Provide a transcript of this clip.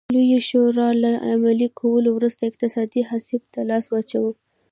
لویې شورا له عملي کولو وروسته اقتصادي حبس ته لاس واچاوه.